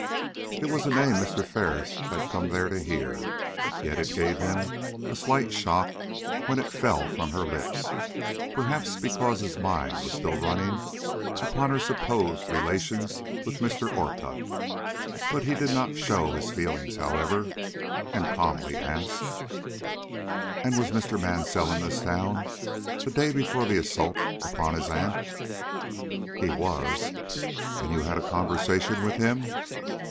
It was the name Mr. Ferris had come there to hear, yet it gave him a slight shock when it fell from her lips perhaps because his mind was still running upon her supposed relations with Mr. Orcutt. But he did not show his feelings, however, and calmly asked: "And was Mr. Mansell in this town the day before the assault upon his aunt?" "He was." "And you had a conversation with him?"